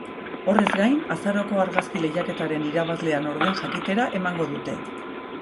Horrez gain, azaroko argazki lehiaketaren irabazlea nor den jakitera emango dute.